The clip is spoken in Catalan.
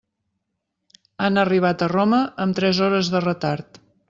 Han arribat a Roma amb tres hores de retard.